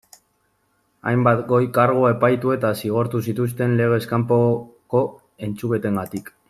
Hainbat goi kargu epaitu eta zigortu zituzten legez kanpoko entzuketengatik.